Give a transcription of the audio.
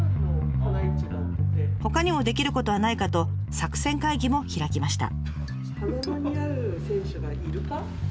ほかにもできることはないかと作戦会議も開きました。